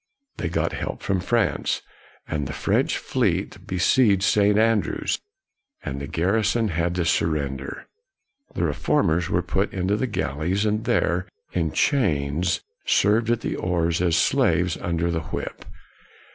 They got help from France, and a French fleet be sieged St. Andrews, and the garrison had to surrender. The reformers were put into the galleys, and there, in chains, served at the oars, as slaves under the whip.